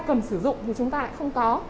cần sử dụng thì chúng ta lại không có